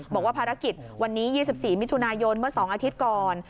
บอกว่าภารกิจวันนี้๒๔มิถุนายนเมื่อ๒อาทิตย์ก่อน